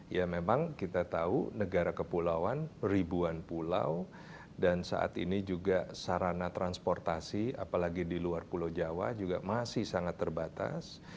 ya memang kita tahu negara kepulauan ribuan pulau dan saat ini juga sarana transportasi apalagi di luar pulau jawa juga masih sangat terbatas